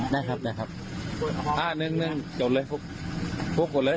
ได้ครับได้ครับอ่าหนึ่งหนึ่งจบเลยปุ๊บปุ๊บปุ๊บเลย